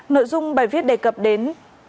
nội dung bài viết đề cập đến